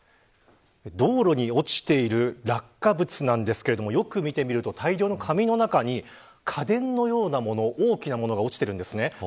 道路に落ちている落下物なんですけれどもよく見てみると、大量の紙の中に家電のような大きな物が落ちてるんですね。